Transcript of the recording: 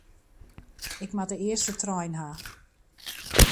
Ik moat de earste trein ha.